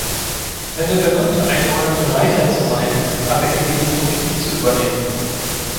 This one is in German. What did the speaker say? Wenn der Benannte einräumte, reicher zu sein, hatte er die Liturgie zu übernehmen.